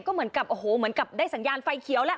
ก็เหมือนกับโอ้โหเหมือนกับได้สัญญาณไฟเขียวแล้ว